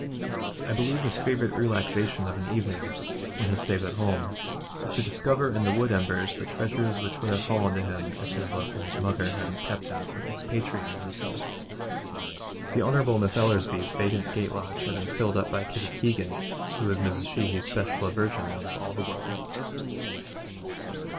I believe his favourite relaxation of an evening, when he stays at home, is to discover in the wood embers the treasures which would have fallen to him if his love for his mother hadn't kept him from expatriating himself. The Hon. Miss Ellersby's vacant gate lodge has been filled up by Kitty Keegan, who is Mrs. Sheehy's special aversion out of all the world.